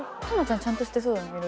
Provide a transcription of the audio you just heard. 環奈ちゃんちゃんとしてそう。